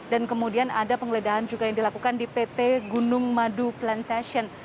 dan kemudian ada penggeledahan juga yang dilakukan di pt gunung madu plantation